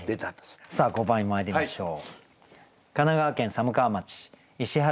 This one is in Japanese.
さあ５番にまいりましょう。